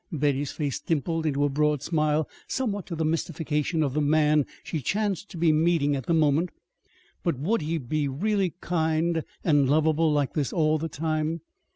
(Betty's face dimpled into a broad smile somewhat to the mystification of the man she chanced to be meeting at the moment.) But would he be really kind and lovable like this all the time?